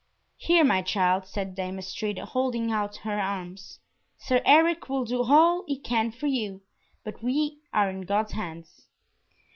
"Here, my child," said Dame Astrida, holding out her arms, "Sir Eric will do all he can for you, but we are in God's hands!"